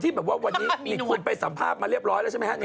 มีนวดอเจมส์นี่คุณไปสัมภาพมาเรียบร้อยแล้วใช่ไหมฮะนี่